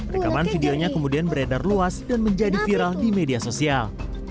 rekaman videonya kemudian beredar luas dan menjadi viral di media sosial